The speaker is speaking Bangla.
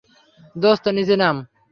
দোস্ত, নিচে নাম।